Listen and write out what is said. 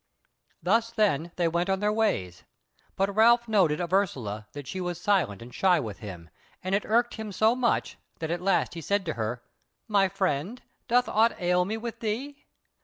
Thus then they went their ways; but Ralph noted of Ursula that she was silent and shy with him, and it irked him so much, that at last he said to her: "My friend, doth aught ail me with thee?